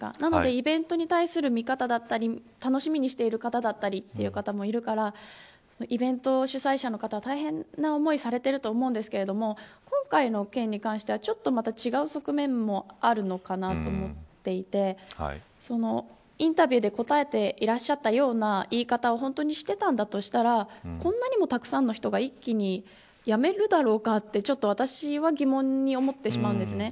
イベントに対する見方だったり楽しみにしている方だったりそういう方もいるから、イベント主催者の方は大変な思いをされていると思うんですけど今回の件に関しては、ちょっとまた違う側面もあるのかなと思っていてインタビューで答えていらっしゃったような言い方を本当にしていたのだとしたらこんなにもたくさんの人が一気に辞めるだろうかとちょっと私は疑問に思ってしまうんですね。